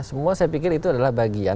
semua saya pikir itu adalah bagian